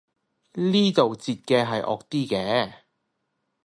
呢度截嘅係惡啲嘅